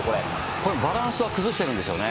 これ、バランスは崩してるんですよね。